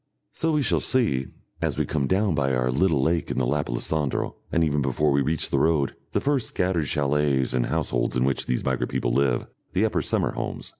So we shall see, as we come down by our little lake in the lap of Lucendro, and even before we reach the road, the first scattered chalets and households in which these migrant people live, the upper summer homes.